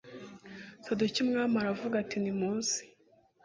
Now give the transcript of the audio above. sadoki umwami aravuga ati nimuze